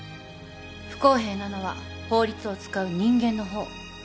不公平なのは法律を使う人間の方。